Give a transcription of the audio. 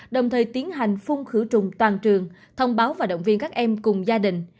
đồng thời tiến hành phun khử trùng toàn trường thông báo và động viên các em cùng gia đình